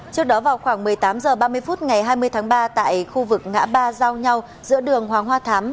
trước đó vào khoảng một mươi tám h ba mươi phút ngày hai mươi tháng ba tại khu vực ngã ba giao nhau giữa đường hoàng hoa thám